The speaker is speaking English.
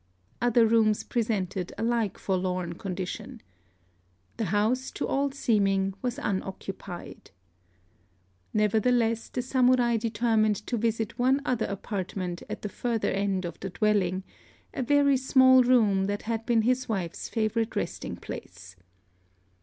Other rooms presented a like forlorn condition. The house, to all seeming, was unoccupied. Nevertheless, the Samurai determined to visit one other apartment at the further end of the dwelling, a very small room that had been his wife's favorite resting place.